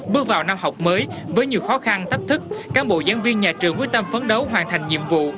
bước vào năm học mới với nhiều khó khăn thách thức cán bộ giảng viên nhà trường quyết tâm phấn đấu hoàn thành nhiệm vụ